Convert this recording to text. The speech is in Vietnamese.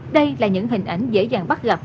đây là những hình ảnh dễ dàng bắt gặp